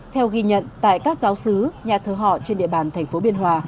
theo ghi nhận tại các giáo sứ nhà thờ họ trên địa bàn tp biên hòa